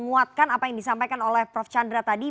menguatkan apa yang disampaikan oleh prof chandra tadi